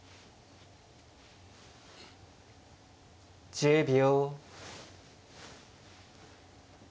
１０秒。